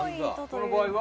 この場合は？